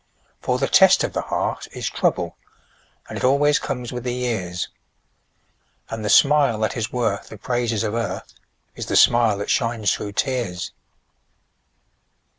For the test of the heart is trouble, And it always comes with the years, And the smile that is worth the praises of earth Is the smile that shines through tears.